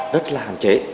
rất là hàn chế